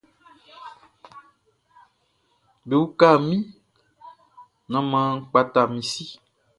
Bewuka mi, nan man kpata mi si.